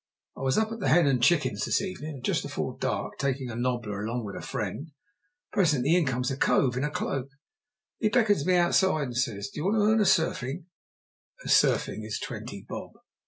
"I was up at the Hen and Chickens this evenin', just afore dark, takin' a nobbler along with a friend. Presently in comes a cove in a cloak. He beckons me outside and says, 'Do you want to earn a sufring?' a sufring is twenty bob.